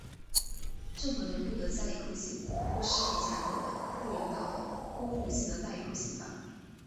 任何人不得加以酷刑,或施以残忍的、不人道的或侮辱性的待遇或刑罚。